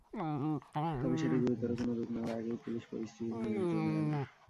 তবে সেটি গুরুতর কোনো রূপ নেওয়ার আগেই পুলিশ পরিস্থিতি নিয়ন্ত্রণে আনে।